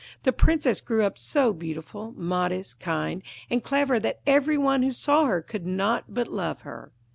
The Princess grew up so beautiful, modest, kind, and clever that every one who saw her could not but love her.